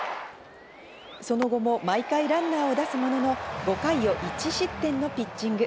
その後も毎回ランナーを出すものの、５回を１失点のピッチング。